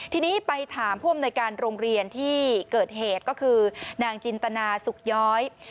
ทีนี้ไปถามผู้อำนวยการโรงเรียนที่เกิดเหตุก็คือนางจินตนาสุกย้อย